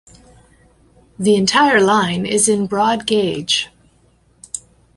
The Entire line is in broad gauge.